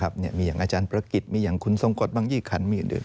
มีอย่างอาจารย์ประกิจมีอย่างคุณทรงกฎบางยี่ขันมีอื่น